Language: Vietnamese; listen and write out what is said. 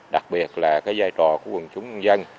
đặc biệt là cái giai trò của quân chúng dân